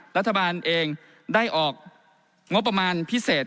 รัฐบาลเองได้ออกงบประมาณพิเศษ